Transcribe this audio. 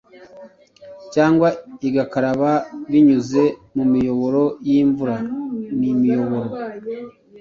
cyangwa igakaraba binyuze mu miyoboro y'imvura n'imiyoboro.